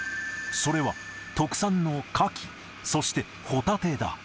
それは特産のカキ、そしてホタテだ。